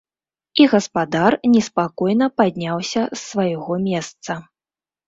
І гаспадар неспакойна падняўся з свайго месца.